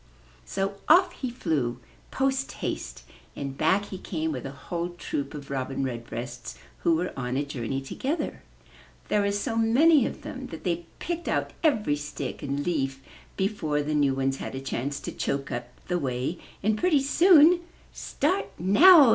So off he flew, post haste, and back he came with a whole troop of Robin Redbreasts who were on a journey together. There were so many of them that they picked out every stick and leaf before the new ones had a chance to choke up the way and pretty soon, ''Start now!'